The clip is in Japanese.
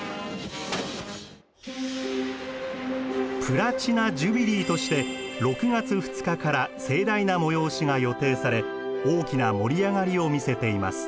プラチナ・ジュビリーとして６月２日から盛大な催しが予定され大きな盛り上がりを見せています。